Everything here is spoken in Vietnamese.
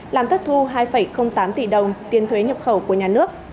làm thất thu hai tám tỷ đồng tiền thuế nhập khẩu của nhà nước